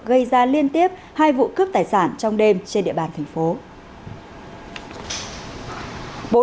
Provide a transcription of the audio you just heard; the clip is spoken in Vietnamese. gây ra liên tiếp hai vụ cướp tài sản trong đêm trên địa bàn thành phố